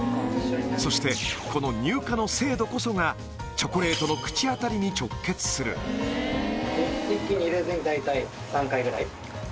そしてこの乳化の精度こそがチョコレートの口当たりに直結する大体。